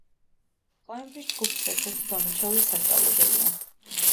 კოიმბრის ჯგუფის ერთ-ერთი გამორჩეული სასწავლებელია.